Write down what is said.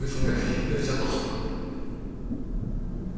被害者と。